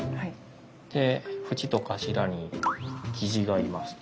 で縁と頭にキジがいますと。